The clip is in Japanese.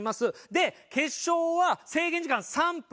で決勝は制限時間３分。